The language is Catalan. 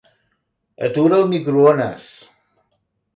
Atura el microones.